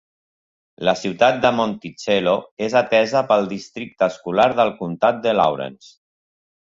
La ciutat de Monticello és atesa pel districte escolar del comtat de Lawrence.